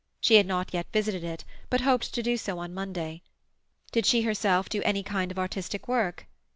She had not yet visited it, but hoped to do so on Monday. Did she herself do any kind of artistic work?